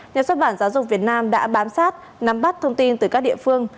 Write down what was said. nhà xuất bản giáo dục việt nam đã bám sát nắm bắt thông tin từ các địa phương